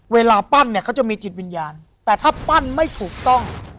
เวลาปั้นเนี่ยเขาจะมีจิตวิญญาณแต่ถ้าปั้นไม่ถูกต้อง